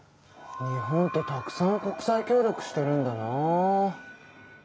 日本ってたくさん国際協力してるんだな。